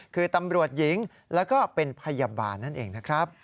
คือตำรวจหญิงแล้วก็เป็นพยาบาลนั่นเองนะครับ